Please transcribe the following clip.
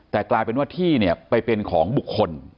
แต่กลายเป็นว่าที่เนี่ยไปเป็นของบุคคล